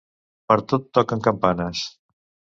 Per tot toquen campanes.